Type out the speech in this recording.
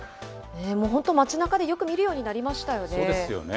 本当、街なかでよく見るようになそうですよね。